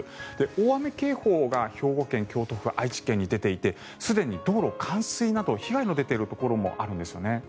大雨警報が兵庫県、京都府愛知県に出ていてすでに道路冠水など被害が出ているところもあるんですね。